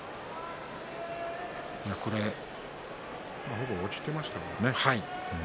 ほぼ落ちていましたからね。